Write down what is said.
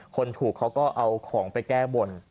คนถูกเขาก็เอาของไปแก้บน